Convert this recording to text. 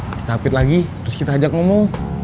kita pit lagi terus kita ajak ngomong